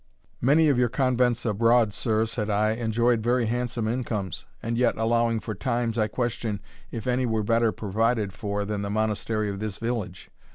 "Many of your convents abroad, sir," said I, "enjoyed very handsome incomes and yet, allowing for times, I question if any were better provided for than the Monastery of this village.